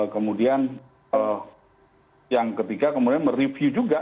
kemudian yang ketiga kemudian mereview juga